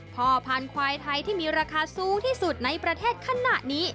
พ่อพันธุ์ควายไทยที่มีราคาสูงที่สุดในประเทศขณะนี้